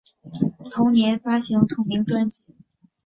同年发行同名专辑。